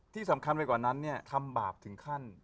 ที่สำคัญไปก่อนนั้นทำบาปถึงขั้น